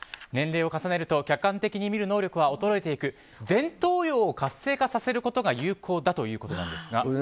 年齢を重ねると客観的に見る能力が衰えていくので前頭葉を活性化させることが有効だということです。